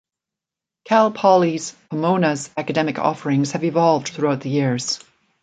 Cal Poly Pomona's academic offerings have evolved throughout the years.